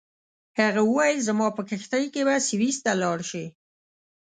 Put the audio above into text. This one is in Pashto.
هغه وویل زما په کښتۍ کې به سویس ته لاړ شې.